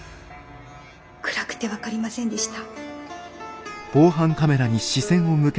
暗くて分かりませんでした。